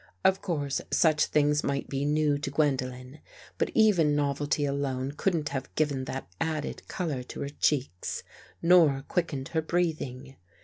Of course such things might be new to Gwendolen, but even novelty alone couldn't have given that added color to her cheeks nor quickened her breathing.